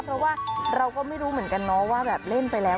เพราะว่าเราก็ไม่รู้เหมือนกันเนาะว่าแบบเล่นไปแล้ว